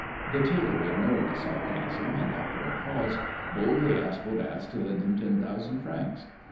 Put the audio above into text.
The tailor ignored the sarcasm, and, after a pause, boldly asked Bodasse to lend him ten thousand francs.